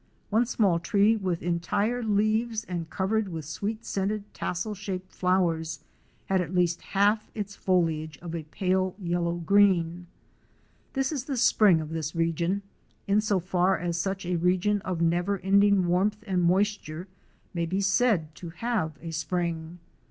One small tree with entire leaves and covered with sweet scented tassel shaped flowers, had at least half its foliage of a pale yellow green. This is the spring of this region in so far as such a region of never ending warmth and moisture may be said to have a spring.